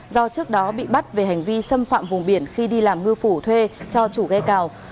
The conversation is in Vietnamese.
do trước đó bị bắt về hành vi xâm phạm vùng biển khi đi làm ngư phủ thuê cho chủ ghe cào